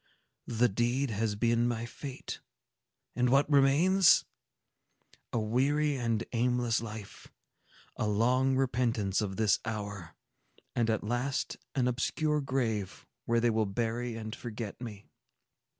The deed has been my fate. And what remains? A weary and aimless life,—a long repentance of this hour,—and at last an obscure grave, where they will bury and forget me!"